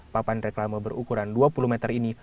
papan reklama berukuran dua puluh meter ini